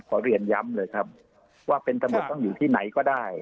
เรียนย้ำเลยครับว่าเป็นตำรวจต้องอยู่ที่ไหนก็ได้